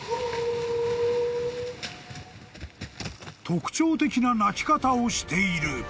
・［特徴的な鳴き方をしている］